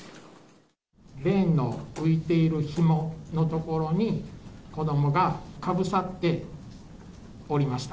レーンの浮いているひもの所に、子どもがかぶさっておりました。